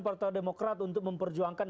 partai demokrat untuk memperjuangkan